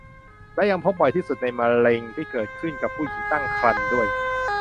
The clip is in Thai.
และยังพบบ่อยที่สุดในมะเร็งที่เกิดขึ้นกับหญิงตั้งครรภ์ด้วย